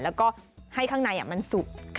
แล้วก็ให้ข้างในมันสุก